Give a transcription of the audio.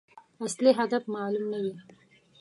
اصلي هدف معلوم نه وي.